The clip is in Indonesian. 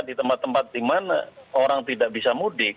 di tempat tempat di mana orang tidak bisa mudik